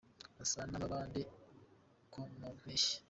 Asa n’akabande ko mu mpeshyi